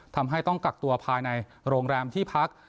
ต้องกักตัวภายในโรงแรมที่พัก